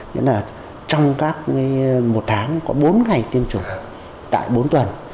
nghĩa là trong một tháng có bốn ngày tiêm chủng tại bốn tuần